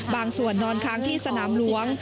บางส่วนนอนค้างที่สนามหลวง